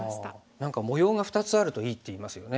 何か模様が２つあるといいって言いますよね。